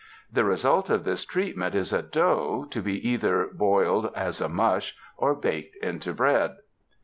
The result of this treatment is a dough, to be either boiled as a mush, or baked into bread.